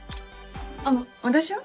あの私は？